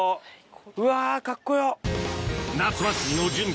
うわカッコ良っ！